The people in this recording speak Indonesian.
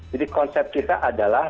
jadi konsep kita adalah